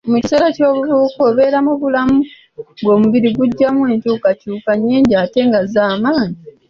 Mu kiseera eky'obuvubuka obeera mu bulamu ng'omubiri gujjamu enkyukakyuka nnyingi ate nga z'amaanyi.